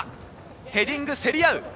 ヘディング競り合う。